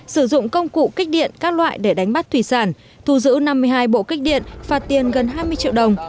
sử dụng công cụ kích điện các loại để đánh bắt thủy sản thu giữ năm mươi hai bộ kích điện phạt tiền gần hai mươi triệu đồng